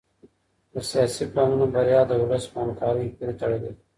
د سياسي پلانونو بريا د ولس په همکارۍ پوري تړلې ده.